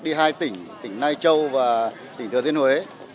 đi hai tỉnh tỉnh lai châu và tỉnh thừa thiên huế